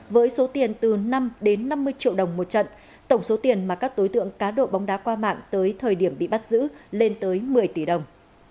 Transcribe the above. với số tiền từ năm đến năm mươi triệu đồng một trận tổng số tiền mà các đối tượng cá độ bóng đá qua mạng tới thời điểm bị bắt giữ lên tới một mươi tỷ đồng